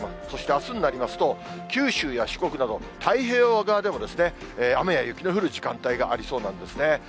そしてあすになりますと、九州や四国など、太平洋側でも、雨や雪の降る時間帯がありそうなんですね。